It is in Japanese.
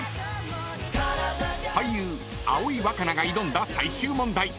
［俳優葵わかなが挑んだ最終問題］